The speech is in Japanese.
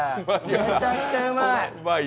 めちゃくちゃうまい。